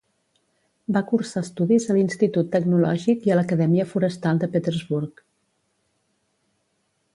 Va cursar estudis a l'Institut Tecnològic i a l'Acadèmia Forestal de Petersburg.